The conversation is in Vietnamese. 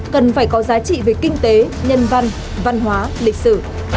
cần phải có giá trị về kinh tế nhân văn văn hóa lịch sử